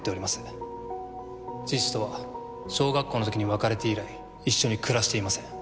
父とは小学校の時に別れて以来一緒に暮らしていません。